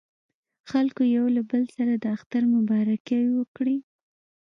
خلکو یو له بل سره د اختر مبارکۍ وکړې.